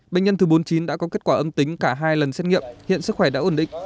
bệnh nhân thứ bốn mươi chín đã có kết quả âm tính cả hai lần xét nghiệm hiện sức khỏe đã ổn định